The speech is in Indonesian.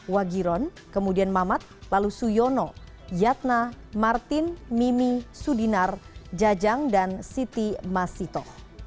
wagiron kemudian mamat lalu suyono yatna martin mimi sudinar jajang dan siti masito